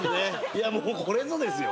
いやもうこれぞですよ